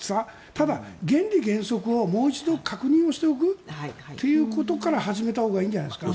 ただ、原理原則をもう一度確認しておくということから始めたほうがいいんじゃないですか。